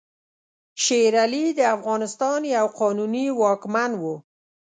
شېر علي د افغانستان یو قانوني واکمن وو.